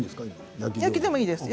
焼きでもいいです。